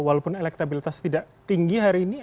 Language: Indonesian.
walaupun elektabilitas tidak tinggi hari ini